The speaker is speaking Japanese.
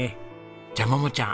じゃあ桃ちゃん